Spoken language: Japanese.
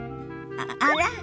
あら？